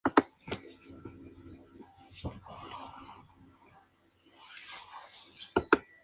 El suelo está compuesto por yesos, margas, calizas y lutitas.